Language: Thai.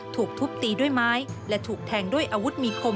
ถูกทุบตีด้วยไม้และถูกแทงด้วยอาวุธมีคม